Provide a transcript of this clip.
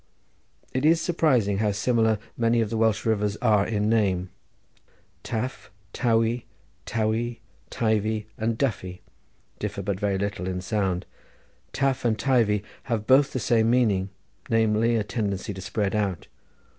It is surprising how similar many of the Welsh rivers are in name: Taf, Tawey, Towey, Teivi, and Duffy differ but very little in sound. Taf and Teivi have both the same meaning, namely a tendency to spread out.